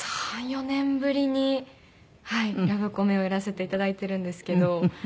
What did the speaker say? ３４年ぶりにはいラブコメをやらせていただいてるんですけど。